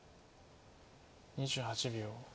２８秒。